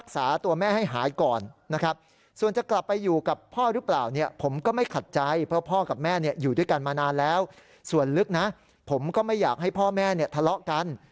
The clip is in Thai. ส่วนลึกนะผมก็ไม่อยากให้พ่อแม่เนี่ยทะเลาะกัน